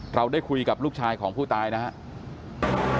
เราได้คุยกับลูกชายของผู้ตายนะครับ